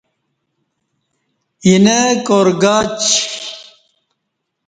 اینہ کار گاچی